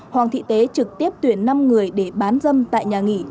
hoàng thị tế trực tiếp tuyển năm người để bán dâm tại nhà nghỉ